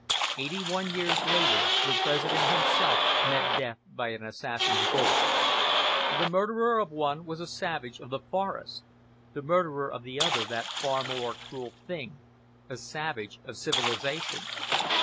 Eighty one years later the President himself met death by an assassin's bullet. The murderer of one was a savage of the forest; the murderer of the other that far more cruel thing, a savage of civilization.